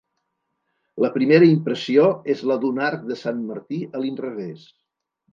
La primera impressió és la d'un arc de Sant Martí a l'inrevés.